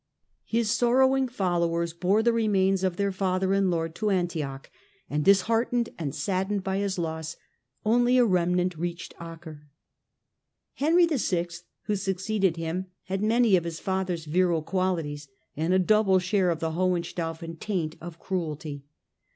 His sorrowing followers bore the remains of their Father and Lord to Antioch, and disheartened and saddened by his loss, only a remnant reached Acre. Henry VI, who succeeded him, had many of his father's virile qualities and a double share of the Hohen staufen taint of cruelty.